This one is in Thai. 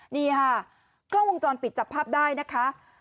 นี่ค่ะกล้องวงจรปิดจับภาพได้นะคะ